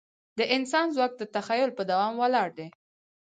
د انسان ځواک د تخیل په دوام ولاړ دی.